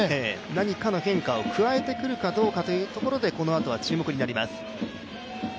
何かの変化を加えてくるかどうかこのあとは注目になります。